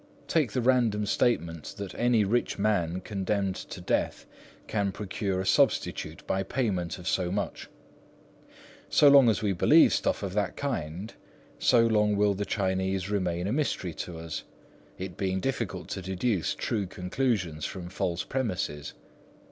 Take the random statement that any rich man condemned to death can procure a substitute by payment of so much. So long as we believe stuff of that kind, so long will the Chinese remain a mystery for us, it being difficult to deduce true conclusions from false premises.